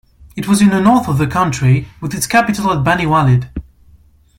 It was in the north of the country with its capital at Bani Walid.